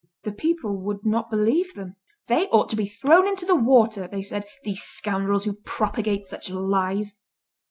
The people would not believe them: "They ought to be thrown into the water," they said, "these scoundrels who propagate such lies."